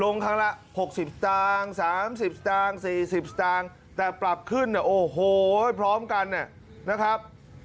ครั้งละ๖๐สตางค์๓๐สตางค์๔๐สตางค์แต่ปรับขึ้นเนี่ยโอ้โหพร้อมกันเนี่ยนะครับ